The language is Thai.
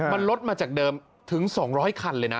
มันลดมาจากเดิมถึง๒๐๐คันเลยนะ